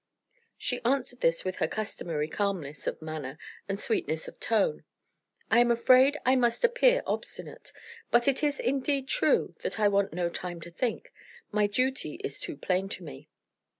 She answered this with her customary calmness of manner and sweetness of tone. "I am afraid I must appear obstinate; but it is indeed true that I want no time to think; my duty is too plain to me."